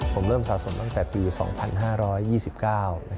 ผมเริ่มสะสมตั้งแต่ปี๒๕๒๙